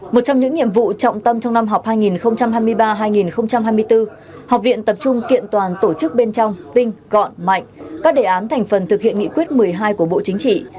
một trong những nhiệm vụ trọng tâm trong năm học hai nghìn hai mươi ba hai nghìn hai mươi bốn học viện tập trung kiện toàn tổ chức bên trong tinh gọn mạnh các đề án thành phần thực hiện nghị quyết một mươi hai của bộ chính trị